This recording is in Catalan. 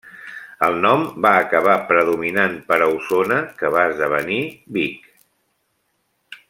El nom va acabar predominant per Ausona que va esdevenir Vic.